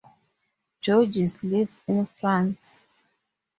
Georges lives in France.